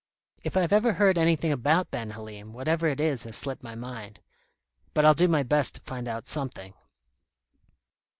If I've ever heard anything about Ben Halim, whatever it is has slipped my mind. But I'll do my best to find out something."